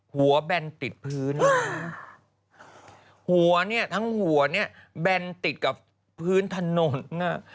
แบนติดพื้นหัวเนี่ยทั้งหัวเนี่ยแบนติดกับพื้นถนนน่ะ